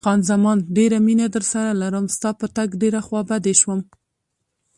خان زمان: ډېره مینه درسره لرم، ستا په تګ ډېره خوابدې شوم.